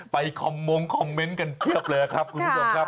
ไปกับมองคอมเม้นต์กันเกือบเลยครับคุณผู้ชมครับ